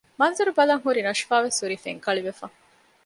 މަންޒަރު ބަލަން ހުރި ނަޝްފާ ވެސް ހުރީ ފެންކަޅިވެފަ